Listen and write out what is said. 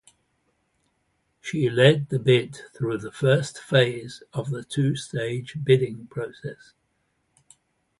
She led the bid through the first phase of the two-stage bidding process.